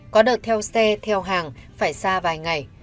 có đợt theo xe theo hàng phải xa vài ngày